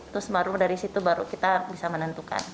terus baru dari situ baru kita bisa menentukan